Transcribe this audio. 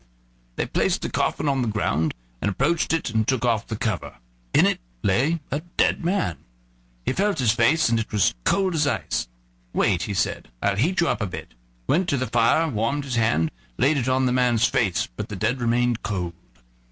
They placed the coffin on the ground, and he approached it and took off the cover. In it lay a dead man. He felt his face, and it was cold as ice. "Wait," he said "I'll heat you up a bit," went to the fire, warmed his hand, and laid it on the man's face, but the dead remained cold.